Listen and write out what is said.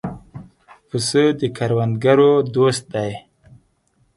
پسه د کروندګرو دوست دی.